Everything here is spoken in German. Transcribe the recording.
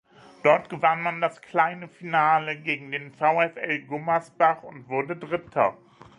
Dort gewann man das „kleine Finale“ gegen den VfL Gummersbach und wurde Dritter.